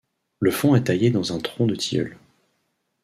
Le fond est taillé dans un tronc de tilleul.